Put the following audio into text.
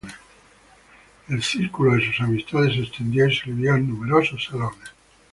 El círculo de sus amistades se extendió y se le vio en numerosos salones.